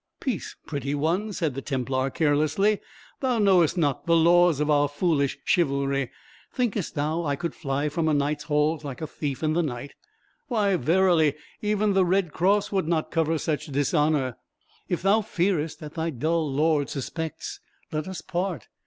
"Peace, pretty one!" said the Templar, carelessly; "thou knowest not the laws of our foolish chivalry. Thinkest thou I could fly from a knight's halls like a thief in the night? Why, verily, even the red cross would not cover such dishonour. If thou fearest that thy dull lord suspects, let us part.